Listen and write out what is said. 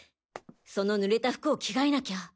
その濡れた服を着替えなきゃ。